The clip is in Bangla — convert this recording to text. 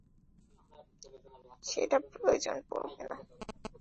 সেটার প্রয়োজন পরবে না।